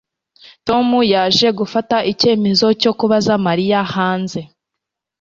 Tom yaje gufata icyemezo cyo kubaza Mariya hanze